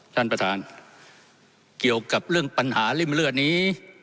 ท่านประธานเกี่ยวกับเรื่องปัญหาริ่มเลือดนี้